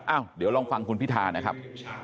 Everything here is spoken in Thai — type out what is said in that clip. เดี๋ยวลองฟังคุณพิธานะครับ